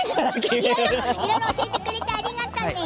いろいろ教えてくれてありがとうね。